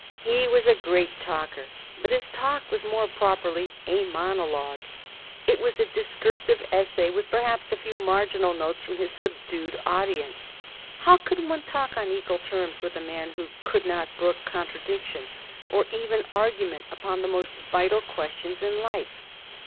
He was a great talker—but his talk was more properly a monologue. It was a discursive essay, with perhaps a few marginal notes from his subdued audience. How could one talk on equal terms with a man who could not brook contradiction or even argument upon the most vital questions in life?